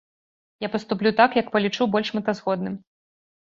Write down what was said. Я паступлю так, як палічу больш мэтазгодным.